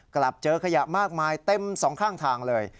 กลับเจอขยะมากมายเต็มสองข้างทางเลย